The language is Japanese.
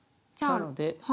なので。